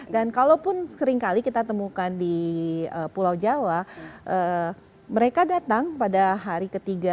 dan kalaupun seringkali kita temukan di pulau jawa mereka datang pada hari ketiga